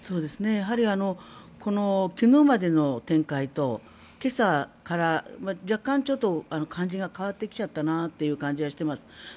やはり昨日までの展開と今朝から若干ちょっと感じが変わってきちゃったなという感じがしています。